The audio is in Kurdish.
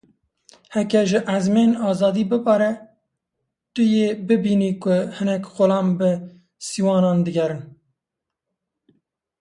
Heke ji ezmên azadî bibare, tu yê bibînî ku hinek xulam bi sîwanan digerin.